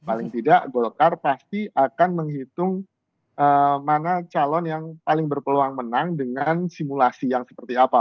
paling tidak golkar pasti akan menghitung mana calon yang paling berpeluang menang dengan simulasi yang seperti apa